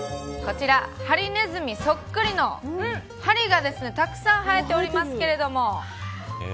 こちら、ハリネズミそっくりのハリがですね、たくさんはえておりますけども。